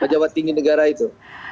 pejabat tinggi negara itu